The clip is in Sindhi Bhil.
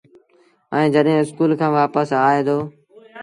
ائيٚݩ جڏهيݩ اسڪُول کآݩ وآپس آئي دو